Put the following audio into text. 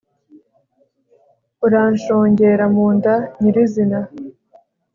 uranshongera mu nda nyirizina